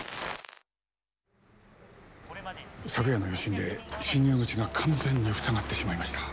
昨夜の余震で進入口が完全に塞がってしまいました。